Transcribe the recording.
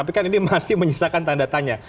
tapi kan ini masih menyisakan tanda tanya